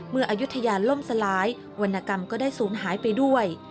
เมื่ออายุทยาล่มสลายวรรณกรรมก็ได้สูญหายไปด้วย